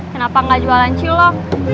kenapa gak jualan cilok